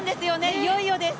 いよいよです。